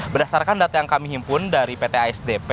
berdasarkan data yang kami himpun dari pt asdp